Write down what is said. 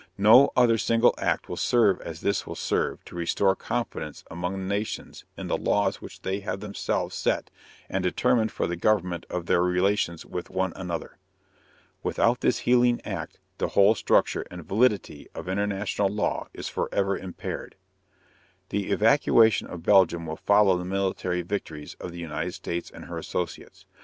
No other single act will serve as this will serve to restore confidence among the nations in the laws which they have themselves set and determined for the government of their relations with one another. Without this healing act the whole structure and validity of international law is forever impaired._ The evacuation of Belgium will follow the military victories of the United States and her associates.